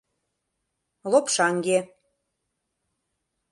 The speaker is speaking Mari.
Лопшаҥге...